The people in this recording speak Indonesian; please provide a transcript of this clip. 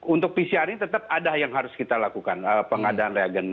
untuk pcr ini tetap ada yang harus kita lakukan pengadaan reagen